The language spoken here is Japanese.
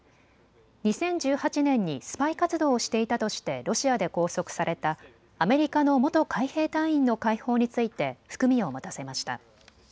２０１８年にスパイ活動をしていたとしてロシアで拘束されたアメリカの元海兵隊員の解放について含みを持たせました。